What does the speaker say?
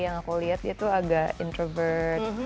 yang aku lihat dia tuh agak introvert